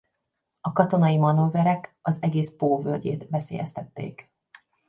A katonai manőverek az egész Pó völgyét veszélyeztették.